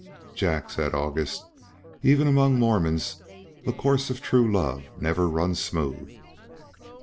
"Jack," said August, "even among Mormons the course of true love never runs smooth."